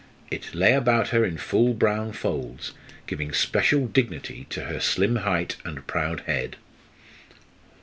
It lay about her in full brown folds, giving special dignity to her slim height and proud head.